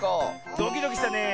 ドキドキしたねえ。